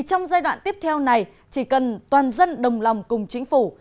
trong giai đoạn tiếp theo này chỉ cần toàn dân đồng lòng cùng chính phủ